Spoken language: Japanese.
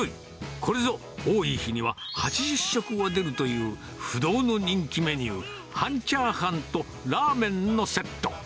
これぞ、多い日には８０食は出るという不動の人気メニュー、半チャーハンとラーメンのセット。